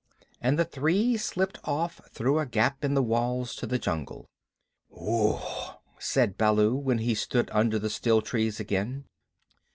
And the three slipped off through a gap in the walls to the jungle. "Whoof!" said Baloo, when he stood under the still trees again.